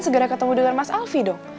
segera ketemu dengan mas alfie dok